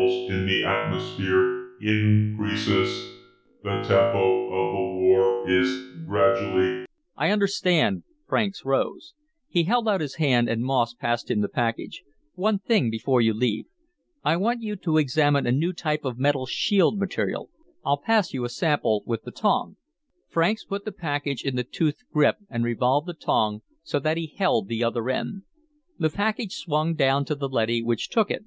"Each month the amount of lethal particles in the atmosphere increases. The tempo of the war is gradually " "I understand." Franks rose. He held out his hand and Moss passed him the package. "One thing before you leave. I want you to examine a new type of metal shield material. I'll pass you a sample with the tong." Franks put the package in the toothed grip and revolved the tong so that he held the other end. The package swung down to the leady, which took it.